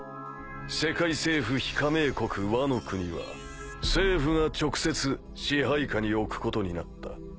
世界政府非加盟国ワノ国は政府が直接支配下に置くことになった。